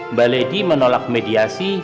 mbak lady menolak mediasi